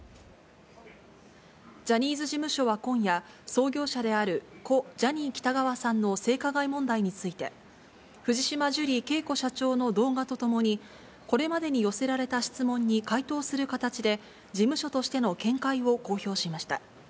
ジャニーズ事務所は今夜、創業者である故・ジャニー喜多川さんの性加害問題について、藤島ジュリー景子社長の動画とともに、これまでに寄せられた質問に解答する形で、事務所としての見解を公表しました。